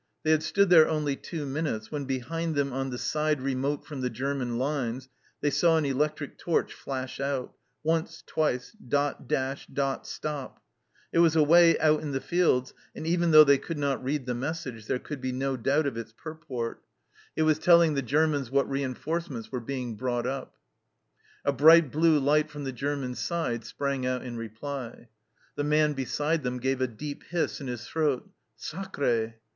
They had stood there only two minutes, when behind them on the side remote from the German lines they saw an electric torch flash out once, twice, dot, dash, dot, stop ! It was away out in the fields, and even though they could not read the message, there could be no doubt of its purport : it WAITING FOR ATTACK 205 was telling the Germans what reinforcements were being brought up. A bright blue light from the German side sprang out in reply. The man beside them gave a deep hiss in his throat, "S s sacre'